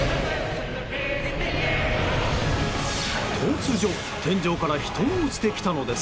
突如、天井から人が落ちてきたのです。